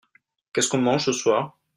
Qu'est-ce qu'on mange ce soir ?